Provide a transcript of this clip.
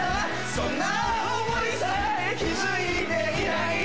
そんな思いさえ気づいていない